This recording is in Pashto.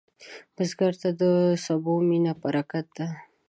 بزګر ته د سبو مینه برکت ده